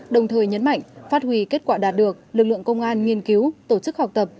đồng thời nhấn mạnh phát huy kết quả đạt được lực lượng công an nghiên cứu tổ chức học tập